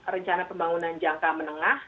rencana pembangunan jangka menengah